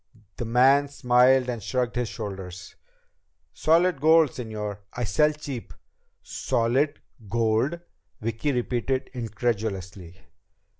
The man smiled and shrugged his shoulders. "Solid gold, señor. I sell cheap." "Solid gold?" Vicki repeated incredulously.